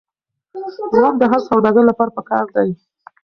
زغم د هر سوداګر لپاره پکار دی.